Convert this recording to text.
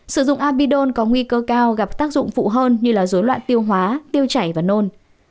sử dụng abidon có nguy cơ cao gặp tác dụng phụ hơn như dối loạn tiêu hóa tiêu chảy và nôn